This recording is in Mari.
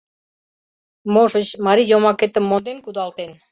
Можыч, марий йомакетым монден кудалтен.